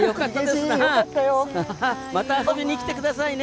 また遊びに来てくださいね。